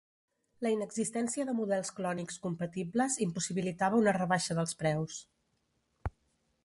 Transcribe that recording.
La inexistència de models clònics compatibles impossibilitava una rebaixa dels preus.